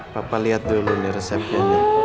papa lihat dulu nih resepnya